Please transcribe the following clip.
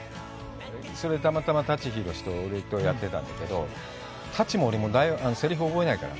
それ、たまたま舘ひろしと俺とやってたんだけど、舘も俺もセリフを覚えないから。